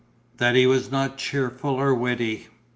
that he was not cheerful or witty.